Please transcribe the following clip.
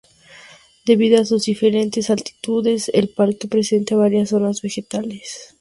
Debido a sus diferentes altitudes, el parque presenta varias zonas vegetales.